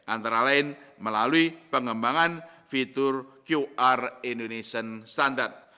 antara lain melalui pengembangan fitur qr indonesian standard